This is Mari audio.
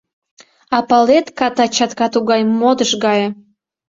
А палет, ката чатка тугай, модыш гае.